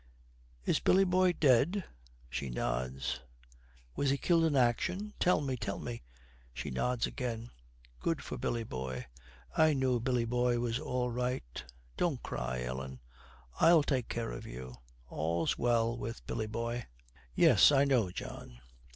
'Is Billy boy dead?' She nods. 'Was he killed in action? Tell me, tell me!' She nods again. 'Good for Billy boy. I knew Billy boy was all right. Don't cry, Ellen. I'll take care of you. All's well with Billy boy.' 'Yes, I know, John.'